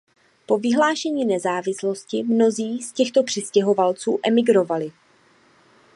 Po vyhlášení nezávislosti mnozí z těchto přistěhovalců emigrovali.